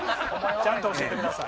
ちゃんと教えてください。